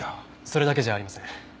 それだけじゃありません。